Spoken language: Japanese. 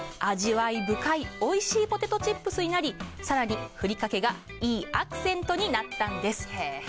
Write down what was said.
味わい深いおいしいポテトチップスになり更にふりかけがいいアクセントになったんです。